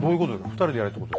２人でやれってこと？